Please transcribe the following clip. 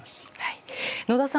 野田さん